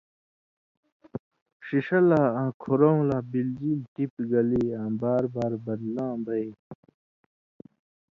ݜِݜہ لا آں کُھرؤں لا بلژیلیۡ ٹپیۡ گلی آں بار بار بدلاں بئ۔